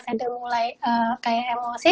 saya udah mulai kayak emosi